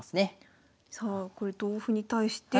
さあこれ同歩に対して。